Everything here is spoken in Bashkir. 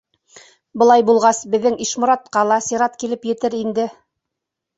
— Былай булғас, беҙҙең Ишморатҡа ла сират килеп етер инде.